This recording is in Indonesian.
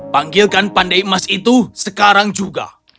panggilkan pandai emas itu sekarang juga